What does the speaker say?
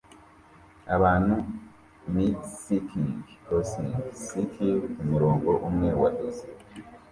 Abantu ni skiing crossing skiing kumurongo umwe wa dosiye